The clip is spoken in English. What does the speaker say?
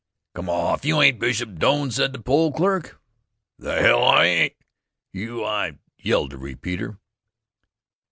"Come off. You ain't Bishop Doane," said the poll clerk. "The hell I ain't, you I" yelled the repeater.